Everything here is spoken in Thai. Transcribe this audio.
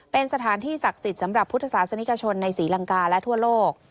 เป็นสถานที่ศักดิ์สิทธิ์สำหรับพุทธศาสนิกชนในศรีลังกาและทั่วโลก